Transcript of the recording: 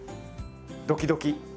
ドキドキ。